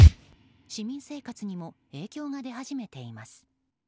市民生活にも影響が出始めています。